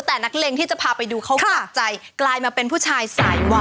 แต่นักเลงที่จะพาไปดูเขากลับใจกลายมาเป็นผู้ชายสายหวาน